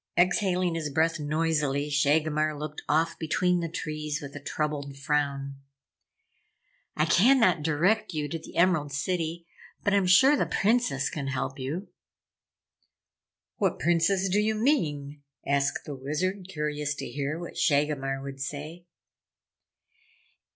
Exhaling his breath noisily, Shagomar looked off between the trees with a troubled frown. "I cannot direct you to the Emerald City, but I'm sure the Princess can help you." "What Princess do you mean?" asked the Wizard, curious to hear what Shagomar would say.